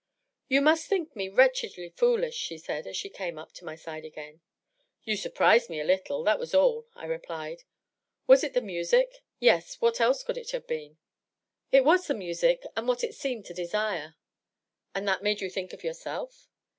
" You must think me wretchedly foolish," she said, as she came up to my side again. " You surprised me a little ; that was all," I replied. *^ Was it the . music ? Yes ; what else could it have been ?"" It was the music — and what it seemed to desire." '^ And that made you think of yourself?"